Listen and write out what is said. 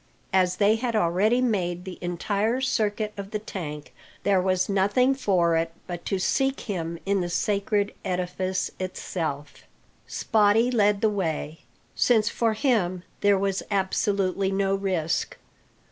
As they had already made the entire circuit of the tank, there was nothing for it but to seek him in the sacred edifice itself. Spottie led the way, since for him there was absolutely no risk.